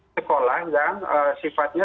sekolah yang sifatnya